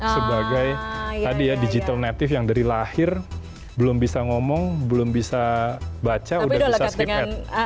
sebagai tadi ya digital native yang dari lahir belum bisa ngomong belum bisa baca udah bisa skip at